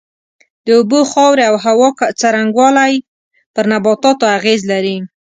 د اوبو، خاورې او هوا څرنگوالی پر نباتاتو اغېز لري.